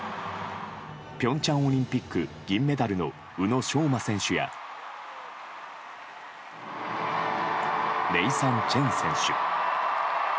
平昌オリンピック銀メダルの宇野昌磨選手やネイサン・チェン選手。